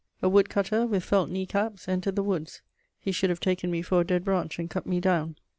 A wood cutter, with felt knee caps, entered the woods: he should have taken me for a dead branch and cut me down.